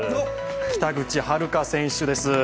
北口榛花選手です。